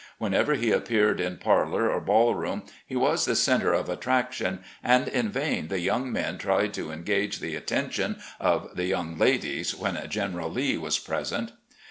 Whenever he appeared in parlour or ballroom he was the centre of attraction, and in vain the young men tried to engage the attention of the young ladies when General Lee was present.